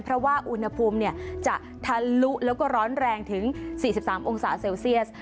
เพราะว่าอุณหภูมิจะทะลุแล้วก็ร้อนแรงถึง๔๓องศาเซลเซียส